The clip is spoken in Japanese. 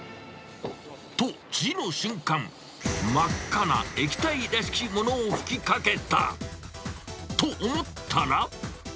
と、次の瞬間、真っ赤な液体らしきものを吹きかけた。と思ったら。